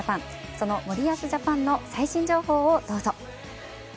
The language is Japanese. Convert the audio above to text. その森保ジャパンの最新情報をどうぞ。